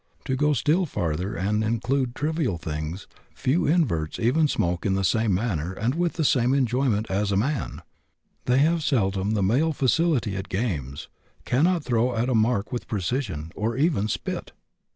To go still farther and include trivial things, few inverts even smoke in the same manner and with the same enjoyment as a man; they have seldom the male facility at games, cannot throw at a mark with precision, or even spit!"